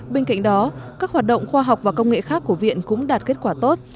bên cạnh đó các hoạt động khoa học và công nghệ khác của viện cũng đạt kết quả tốt